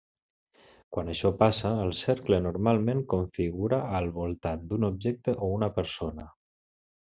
Quan això passa, el cercle normalment configura al voltant d'un objecte o una persona.